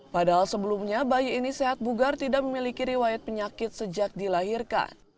padahal sebelumnya bayi ini sehat bugar tidak memiliki riwayat penyakit sejak dilahirkan